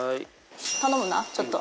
頼むなちょっと。